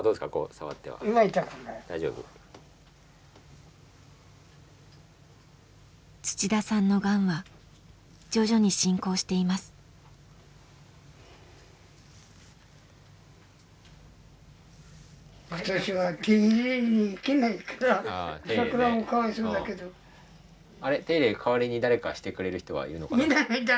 代わりに誰かしてくれる人はいるのかな？